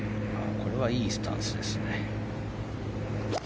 これはいいスタンスですね。